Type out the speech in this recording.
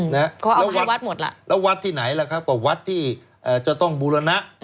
เขาเอาให้วัดหมดละแล้ววัดที่ไหนละครับก็วัดที่จะต้องบุรณะ